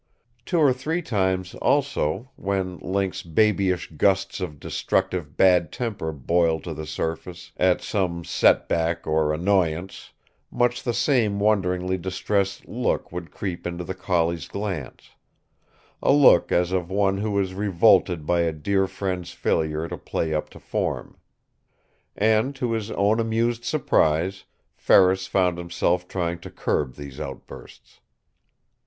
Two or three times, also, when Link's babyish gusts of destructive bad temper boiled to the surface at some setback or annoyance, much the same wonderingly distressed look would creep into the collie's glance a look as of one who is revolted by a dear friend's failure to play up to form. And to his own amused surprise, Ferris found himself trying to curb these outbursts.